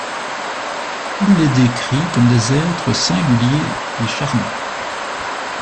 Il les décrit comme des êtres singuliers et charmants.